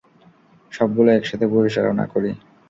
সবগুলোই একসাথে পরিচালনা করি।